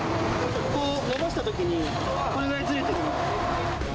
ここを伸ばしたときにこれぐらいずれてるの。